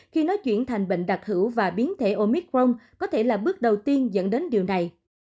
khi nói chuyển thành bệnh đặc hữu và biến thể omicron có thể là bước đầu tiên dẫn đến điều này